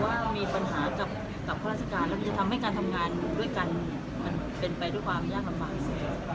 เป็นไปที่ที่ความยากคำว่าง